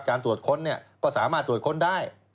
ตรวจค้นก็สามารถตรวจค้นได้